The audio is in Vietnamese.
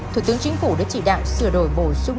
thủ tướng chính phủ đã chỉ đạo sửa đổi bổ sung